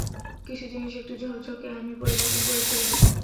কিছু জিনিস একটু ঝক্ঝকে, আমি পরিবর্তন করে ফেলব।